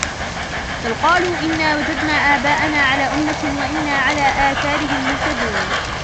بَل قالوا إِنّا وَجَدنا آباءَنا عَلى أُمَّةٍ وَإِنّا عَلى آثارِهِم مُهتَدونَ